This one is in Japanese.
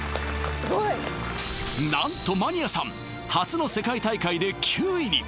すごい何とマニアさん初の世界大会で９位に！